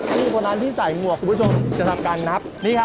นี่คนนั้นที่ใส่หมวกคุณผู้ชมจะทำการนะครับนี่ครับ